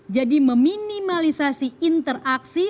jadi meminimalisasi interaksi